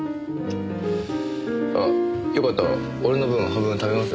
あっよかったら俺の分半分食べます？